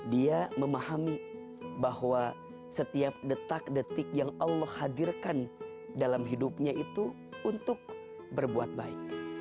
dia memahami bahwa setiap detak detik yang allah hadirkan dalam hidupnya itu untuk berbuat baik